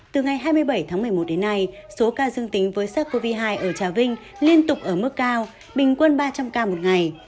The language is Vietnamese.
từ ngày hai mươi bảy tháng một mươi một đến nay số ca dương tính với sars cov hai ở trà vinh liên tục ở mức cao bình quân ba trăm linh ca một ngày